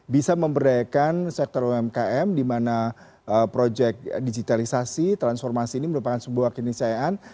bisa memberdayakan sektor umkm di mana proyek digitalisasi transformasi ini merupakan sebuah kenisayaan